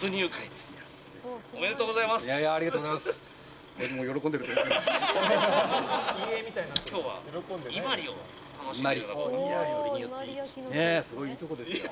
すごいいいとこですよね。